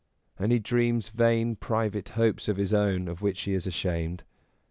And he dreams vain private hopes of his own of which he is ashamed.